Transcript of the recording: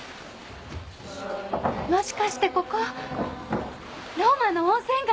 もしかしてここローマの温泉街？